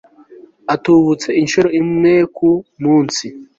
atubutse incuro imweku munsi